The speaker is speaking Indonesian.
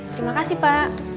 terima kasih pak